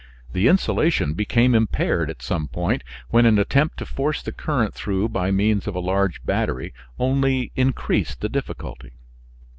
The insulation became impaired at some point, when an attempt to force the current through by means of a large battery only increased the difficulty.